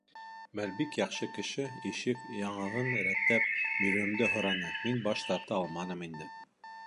Бер бик яҡшы кеше ишек яңағын рәтләп биреүемде һораны, мин баш тарта алманым инде.